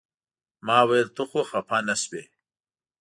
ما ویل ته خو خپه نه شوې.